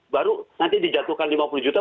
baru nanti dijatuhkan lima puluh juta